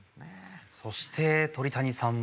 そして鳥谷さんは。